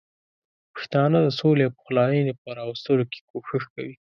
پښتانه د سولې او پخلاینې په راوستلو کې کوښښ کوي.